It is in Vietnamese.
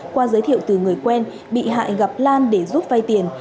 qua giới thiệu từ người quen bị hại gặp lan để giúp vay tiền